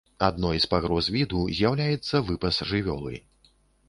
Адной з пагроз віду з'яўляецца выпас жывёлы.